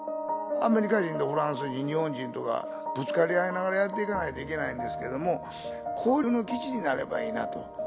アメリカ人とフランス人、日本人とが、ぶつかり合いながらやっていかないといけないんですけれども、交流の基地になればいいなと。